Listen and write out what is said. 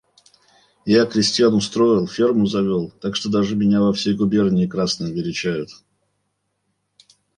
Я крестьян устроил, ферму завел, так что даже меня во всей губернии красным величают.